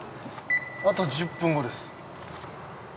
あと１０分後です。